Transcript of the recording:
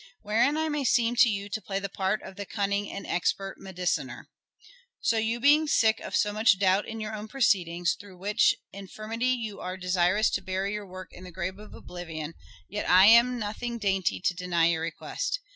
Wherein I may seem to you to play the part of the cunning and expert mediciner. ...... So you being sick of so much doubt in your own proceedings, through which infirmity you are desirous to bury your work in the grave of oblivion, yet I am nothing dainty to deny your request.